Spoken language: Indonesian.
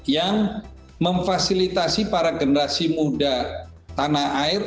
yang memfasilitasi para generasi muda tanah air